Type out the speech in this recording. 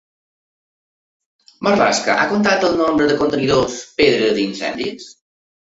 Marlaska ha comptat el nombre de contenidors, pedres i incendis?